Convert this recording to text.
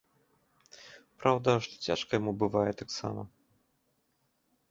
Праўда, што цяжка яму бывае таксама.